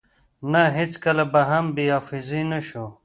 نه هیڅکله به هم بی حافظی نشو